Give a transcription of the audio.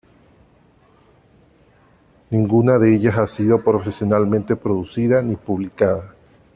Ninguna de ellas ha sido profesionalmente producida ni publicada.